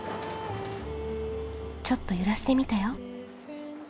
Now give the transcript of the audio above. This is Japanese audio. ちょっと揺らしてみたよ。